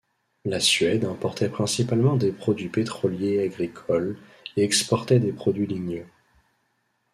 La Suède importait principalement des produits pétroliers et agricoles et exportait des produits ligneux.